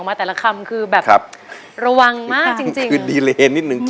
ฟ้าพล่วง